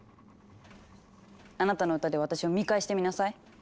あなたの歌で私を見返してみなさい。